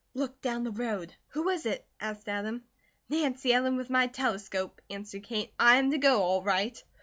Look down the road." "Who is it?" asked Adam. "Nancy Ellen, with my telescope," answered Kate. "I am to go, all right."